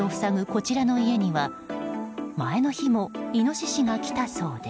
こちらの家には前の日もイノシシが来たそうで。